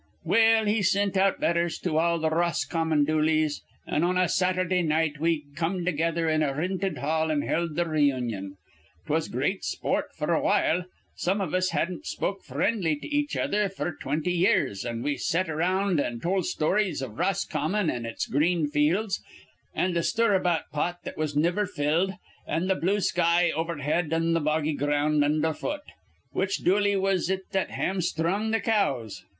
"Well, he sint out letthers to all th' Roscommon Dooleys; an' on a Saturdah night we come together in a rinted hall an' held th' reunion. 'Twas great sport f'r a while. Some iv us hadn't spoke frindly to each other f'r twinty years, an' we set around an' tol' stories iv Roscommon an' its green fields, an' th' stirabout pot that was niver filled, an' th' blue sky overhead an' th' boggy ground undherfoot. 'Which Dooley was it that hamsthrung th' cows?'